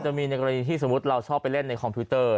ในกรณีที่สมมุติเราชอบไปเล่นในคอมพิวเตอร์